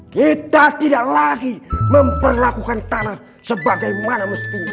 kita tidak lagi memperlakukan tanah sebagaimana mestinya